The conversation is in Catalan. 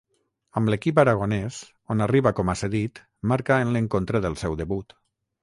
Amb l'equip aragonès, on arriba com a cedit, marca en l'encontre del seu debut.